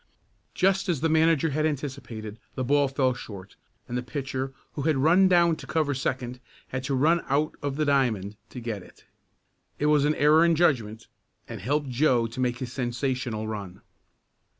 Just as the manager had anticipated, the ball fell short, and the pitcher who had run down to cover second had to run out of the diamond to get it. It was an error in judgment, and helped Joe to make his sensational run.